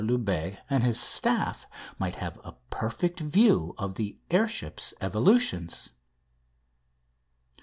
Loubet and his staff might have a perfect view of the air ship's evolutions.